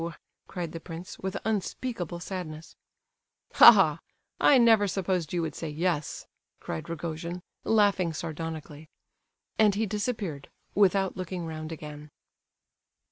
cried the prince, with unspeakable sadness. "Ha, ha! I never supposed you would say 'yes,'" cried Rogojin, laughing sardonically. And he disappeared, without looking round again.